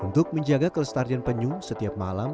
untuk menjaga kelesetarian penyuh setiap malam